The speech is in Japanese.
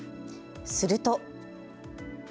すると。